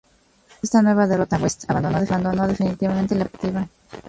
Tras esta nueva derrota, West abandonó definitivamente la política activa.